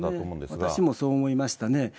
私もそう思いましたね。